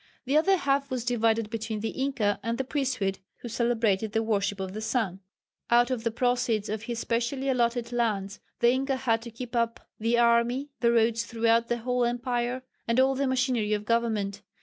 The other half was divided between the Inca and the priesthood who celebrated the worship of the sun. Out of the proceeds of his specially allotted lands the Inca had to keep up the army, the roads throughout the whole empire, and all the machinery of government.